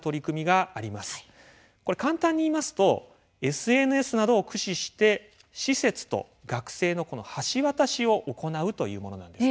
これ簡単にいいますとＳＮＳなどを駆使して施設と学生のこの橋渡しを行うというものなんですね。